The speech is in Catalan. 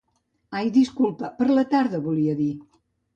Ai disculpa, per la tarda volia dir.